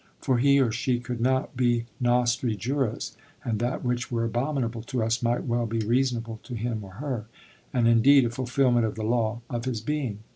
For he or she could not be nostri juris, and that which were abominable to us might well be reasonable to him or her, and indeed a fulfilment of the law of his being.